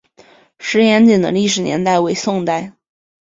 石井岩的历史年代为宋代。